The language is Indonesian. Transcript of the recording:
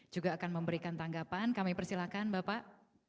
juga akan memberikan tanggapan kami persilahkan bapak